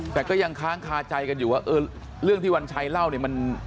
แต่ก็ยังค้างคาใจกันอยู่ว่าเรื่องที่วันชัยเล่าเนี่ยมัน